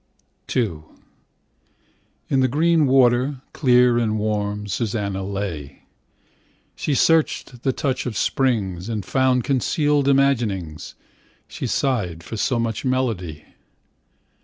IIIn the green water, clear and warm, Susanna lay. She searchedThe touch of springs, And foundConcealed imaginings. She sighedFor so much melody.